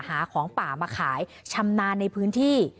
หาของป่ามาขายชำนาญในพื้นที่